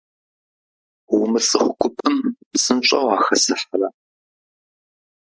Умыцӏыху гупым псынщӏэу уахэсыхьрэ?